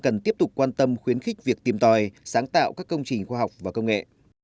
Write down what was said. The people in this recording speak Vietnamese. cần tiếp tục quan tâm khuyến khích việc tìm tòi sáng tạo các công trình khoa học và công nghệ